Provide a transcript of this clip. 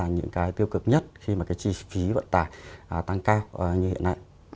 đó là những cái tiêu cực nhất khi mà cái chi phí vận tải tăng cao như hiện nay